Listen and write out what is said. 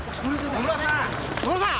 野村さん！